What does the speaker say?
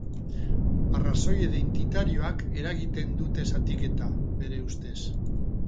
Arrazoi identitarioek eragiten dute zatiketa, bere ustez.